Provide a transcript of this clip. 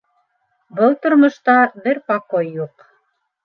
- Был тормошта бер покой юҡ...